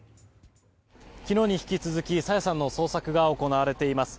昨日に引き続き朝芽さんの捜索が行われています。